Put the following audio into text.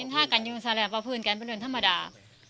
ถ้ากันอยู่ในสหรัฐประภูมิกันเป็นมนุษย์ธรรมดา